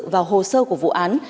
và hồ sơ của vụ án